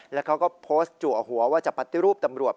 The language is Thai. แล้วเขาก็โพสต์จัวหัวว่าจะปฏิรูปตำรวจ